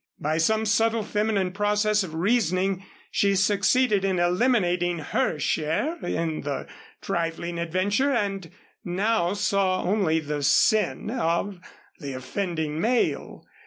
By some subtle feminine process of reasoning, she succeeded in eliminating her share in the trifling adventure and now saw only the sin of the offending male.